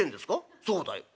「そうだよ」。